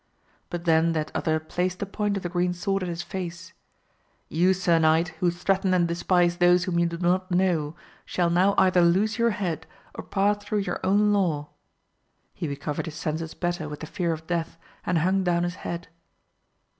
But then that other placed the point of the green sword at his face, You sir knight, who threaten and despise those whom you AMADIS OF GAUL, 267 do not know, shall now either lose your head or pass through your own law ! He recovered his senses better with the fear of death, and hung down his head.